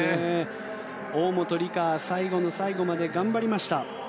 大本里佳、最後の最後まで頑張りました。